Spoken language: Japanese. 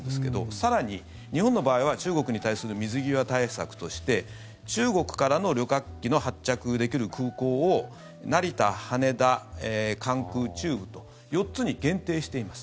更に、日本の場合は中国に対する水際対策として中国からの旅客機の発着できる空港を成田、羽田、関空、中部と４つに限定しています。